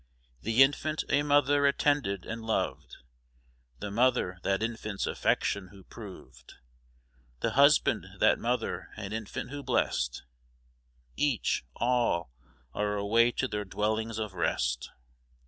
The infant a mother attended and loved; The mother that infant's affection who proved; The husband that mother and infant who blest, Each, all, are away to their dwellings of rest.